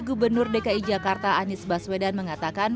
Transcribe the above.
gubernur dki jakarta anies baswedan mengatakan